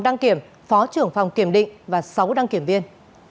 đăng kiểm phó trưởng phòng kiểm định và sáu đăng kiểm viên